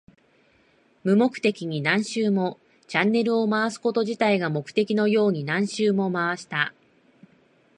無目的に何周も。チャンネルを回すこと自体が目的のように何周も回した。